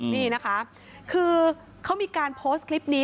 นี่นะคะคือเขามีการออกการ์วิดีโปรสคลิปนี้